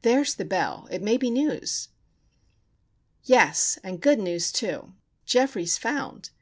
There is the bell! It may be news.... Yes! and good news, too. Geoffrey is found!